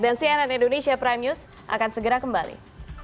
dan cnn indonesia prime news akan segera kembali